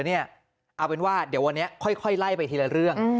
เอาเป็นว่าเดี๋ยววันนี้ค่อยไล่ไปทีละเรื่อง